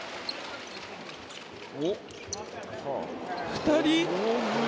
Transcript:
２人？